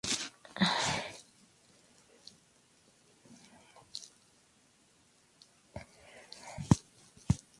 Una solución para las operaciones del mando a distancia por los gestos.